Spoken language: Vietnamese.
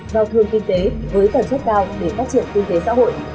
vào thường kinh tế với tầm chất cao để phát triển kinh tế xã hội